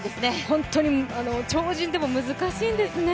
本当に超人でも難しいんですね。